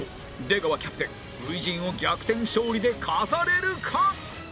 出川キャプテン初陣を逆転勝利で飾れるか？